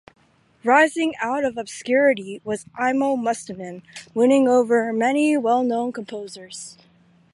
Rising out of obscurity was Aimo Mustonen, winning over many well-known composers.